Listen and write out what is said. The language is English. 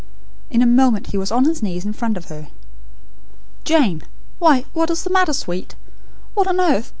In a moment he was on his knees in front of her. "Jane! Why, what is the matter; Sweet? What on earth